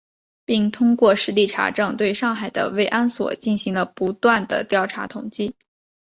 并通过实地查证，对上海的慰安所进行了不断地调查统计